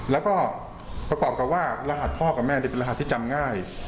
แล้วก็ประกอบกับว่ารหัสพ่อกับแม่เป็นรหัสที่จำง่าย